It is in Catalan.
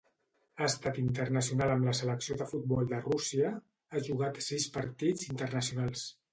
Ha estat internacional amb la selecció de futbol de Rússia, ha jugat sis partits internacionals.